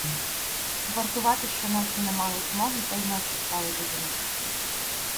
Вартувати щоночі не мали змоги, та й ночі стали дуже місячні.